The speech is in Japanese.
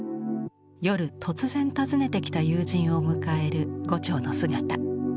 夜突然訪ねてきた友人を迎える牛腸の姿。